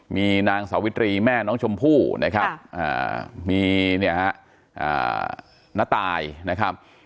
มีนางสาวิตรีแม่น้องชมพู่นะครับมีเนี่ยฮะน้าตายนะครับ